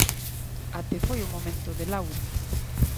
Até foi o momento de Laure.